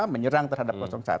menyerang terhadap satu